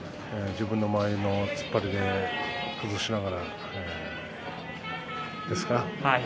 自分の間合い、突っ張りでくずしながらですね。